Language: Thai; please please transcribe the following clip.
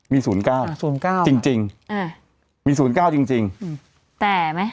มีศูนย์เก้าอ่าศูนย์เก้าจริงจริงอ่ามีศูนย์เก้าจริงจริงแต่ไหม